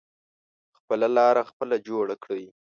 خپله لاره خپله جوړه کړی.